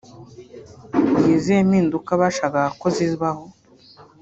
ni izihe mpinduka bashakaga ko zibaho